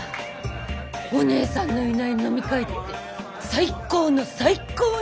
お姉さんのいない飲み会って最高の最高ね！